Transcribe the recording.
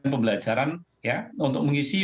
pembelajaran untuk mengisi